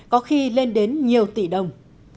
có khi lên đến nhiều tỷ đồng